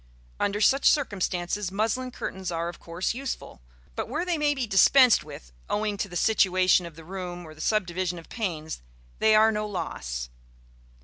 Under such circumstances muslin curtains are, of course, useful; but where they may be dispensed with, owing to the situation of the room or the subdivision of panes, they are no loss.